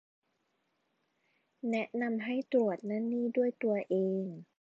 แนะนำให้ตรวจนั่นนี่ด้วยตัวเอง